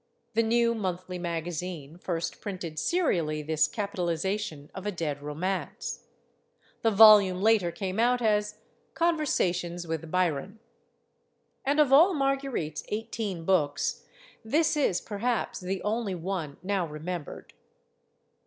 The New Monthly Magazine first printed serially this capitalization of a dead romance. The volume later came out as "Conversations With Byron." And, of all Marguerite's eighteen books, this is, perhaps, the only one now remembered.